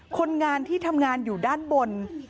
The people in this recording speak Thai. คนงานที่ทำงานอยู่ด้านบน